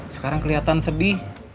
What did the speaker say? sekarang keliatan sedih